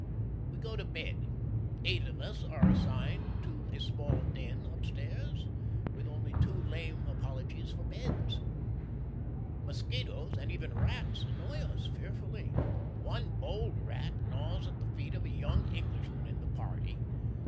We go to bed. Eight of us are assigned to a small den upstairs, with only two lame apologies for beds. Mosquitoes and even rats annoy us fearfully. One bold rat gnaws at the feet of a young Englishman in the party.